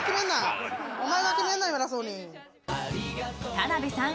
田辺さん